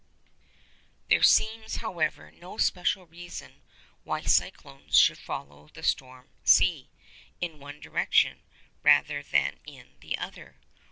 There seems, however, no special reason why cyclones should follow the storm ⊂ in one direction rather than in the other.